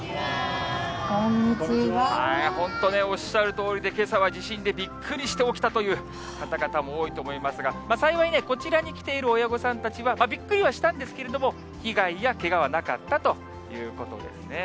本当ね、おっしゃるとおりで、けさは地震でびっくりして起きたという方々も多いと思いますが、幸いね、こちらに来ている親御さんたちは、びっくりはしたんですけれども、被害やけがはなかったということですね。